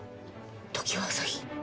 常葉朝陽。